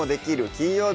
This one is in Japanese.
金曜日」